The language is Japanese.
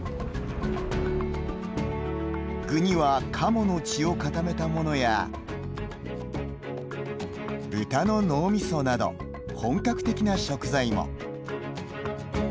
具には、かもの血を固めたものや豚の脳みそなど、本格的な食材も。